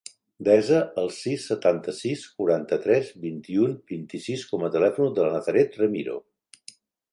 Desa el sis, setanta-sis, quaranta-tres, vint-i-u, vint-i-sis com a telèfon de la Nazaret Remiro.